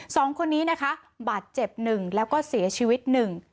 สองคนนี้นะคะบาดเจ็บหนึ่งแล้วก็เสียชีวิตหนึ่ง